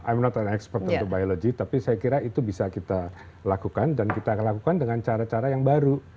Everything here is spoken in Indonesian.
i'm not an expert in biology tapi saya kira itu bisa kita lakukan dan kita lakukan dengan cara cara yang baru